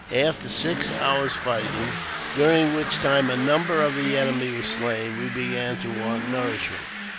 After six hours' fighting, during which time a number of the enemy were slain, we began to want nourishment.